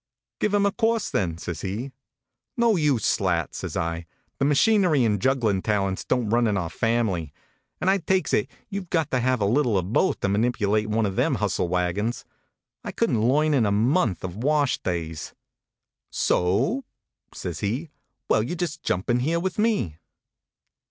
" Give em a course, then," says he. " No use, Slat," says I. * The machinery and jugglin talents don t run in our fam ily, and I take it you ve got to have a little of both to manipulate one of them hustle HONK, HONK! wagons. I couldn t learn in a month of washdays." "So o o?" says he. "Well, you just jump in here with me."